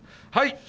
はい。